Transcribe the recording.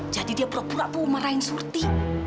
jadi dia berpura pura pu'um marahin syuti